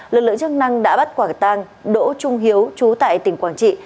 lực lượng chức năng đã bắt quảng tăng đỗ trung hiếu chú tại tỉnh quảng trị